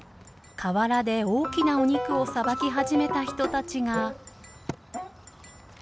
河原で大きなお肉をさばき始めた人たちが。